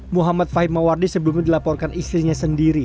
muhammad fahim mawardi sebelumnya dilaporkan istrinya sendiri